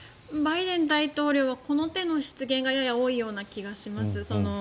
バイデン大統領はこの手の失言がやや多いような気がします。